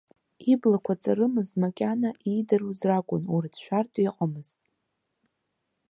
Иблақәа ҵарымыз макьана, иидыруаз ракәын, урыцәшәартә иҟамызт.